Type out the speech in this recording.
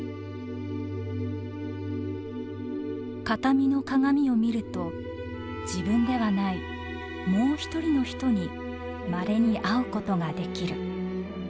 「形見の鏡を見ると自分ではないもう一人の人にまれに会うことができる」。